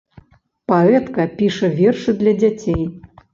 Паэтка, піша вершы для дзяцей.